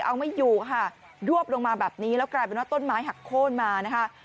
เอาไม่อยู่ค่ะรวบลงมาแบบนี้แล้วกลายเป็นว่าต้นไม้หักโค้นมานะคะ